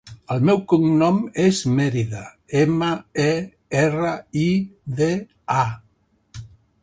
El seu cognom és Merida: ema, e, erra, i, de, a.